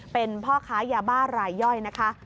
เป็นพ่อค้ายาบ้ารายย่อยนะคะ